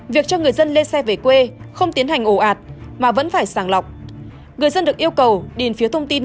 việc cho người dân lên xe về quê không tiến hành ổn định